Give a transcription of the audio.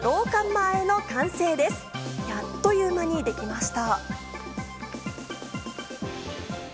あっという間にできました。